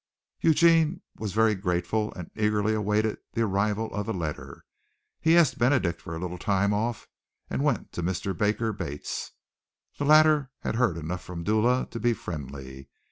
Eugene was very grateful and eagerly awaited the arrival of the letter. He asked Benedict for a little time off and went to Mr. Baker Bates. The latter had heard enough from Dula to be friendly.